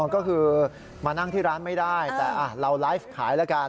ก็คือมานั่งที่ร้านไม่ได้แต่เราไลฟ์ขายแล้วกัน